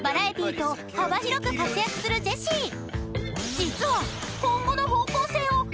［実は］